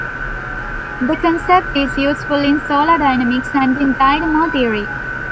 The concept is useful in solar dynamics and in dynamo theory.